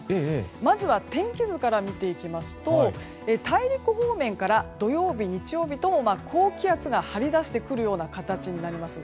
まずは天気図から見ていきますと大陸方面から土曜日、日曜日とも高気圧が張り出してくる形になります。